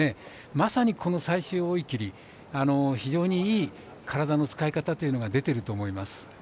まさに、この最終追い切り非常にいい体の使い方というのが出ています。